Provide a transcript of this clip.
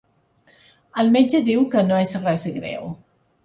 El metge diu que no és res greu.